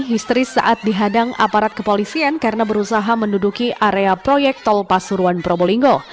histeris saat dihadang aparat kepolisian karena berusaha menduduki area proyek tol pasuruan probolinggo